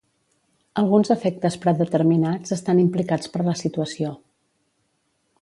Alguns efectes predeterminats estan implicats per la situació.